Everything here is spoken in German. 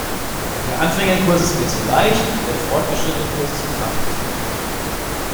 Der Anfängerkurs ist mir zu leicht und der Fortgeschrittenenkurs zu anspruchsvoll.